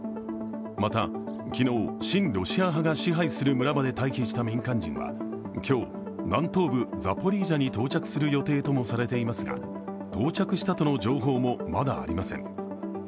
また、昨日、親ロシア派が支配する村まで退避した民間人は今日、南東部ザポリージャに到着する予定ともされていますが、到着したとの情報もまだありません。